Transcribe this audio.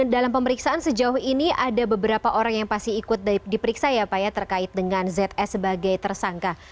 dalam pemeriksaan sejauh ini ada beberapa orang yang pasti ikut diperiksa ya pak ya terkait dengan zs sebagai tersangka